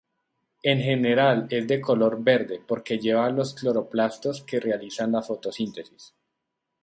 En general es de color verde porque lleva los cloroplastos que realizan la fotosíntesis.